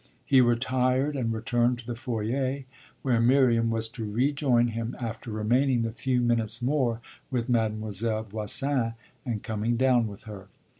He retired and returned to the foyer, where Miriam was to rejoin him after remaining the few minutes more with Mademoiselle Voisin and coming down with her.